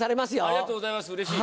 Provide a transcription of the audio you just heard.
ありがとうございますうれしい！